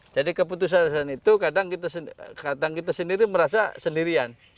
jadi keputusan itu kadang kita sendiri merasa sendirian